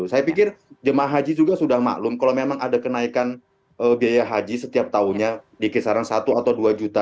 saya pikir jemaah haji juga sudah maklum kalau memang ada kenaikan biaya haji setiap tahunnya di kisaran satu atau dua juta